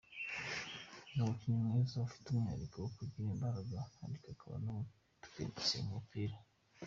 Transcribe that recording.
Ni umukinnyi mwiza, ufite umwihariko wo kugira imbaraga ariko akaba n’umutekinisiye ku mupira.